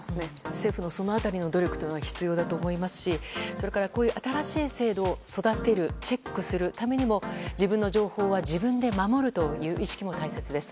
政府もその辺りの努力は必要だと思いますしそれから新しい制度を育てる、チェックするためにも自分の情報は自分で守るという意識も大切です。